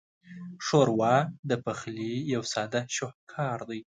ښوروا د پخلي یو ساده شاهکار دی.